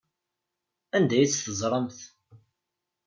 Anda ay tt-teẓramt?